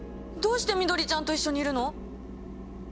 どうして緑ちゃんと一緒にいるの！？